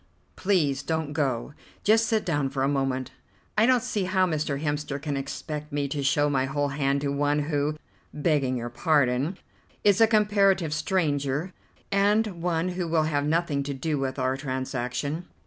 Please don't go; just sit down for a moment. I don't see how Mr. Hemster can expect me to show my whole hand to one who, begging your pardon, is a comparative stranger, and one who will have nothing to do with our transaction.